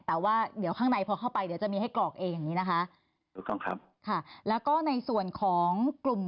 แต่ว่าเดี๋ยวข้างในพอเข้าไปเดี๋ยวจะมีให้กรอกเองดีนะครับ